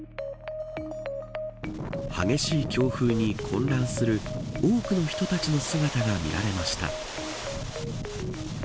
激しい強風に混乱する多くの人たちの姿が見られました。